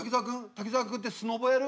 滝沢君ってスノボやる？